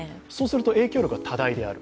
影響力は多大である。